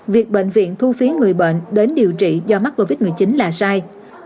việc bệnh viện thu phí người bệnh đến điều trị do mắc covid một mươi chín là sai